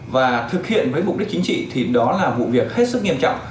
và thực hiện với mục đích chính trị thì đó là vụ việc hết sức nghiêm trọng